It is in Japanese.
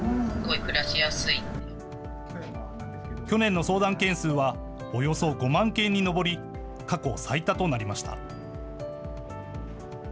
去年の相談件数はおよそ５万件に上り、過去最多となりました。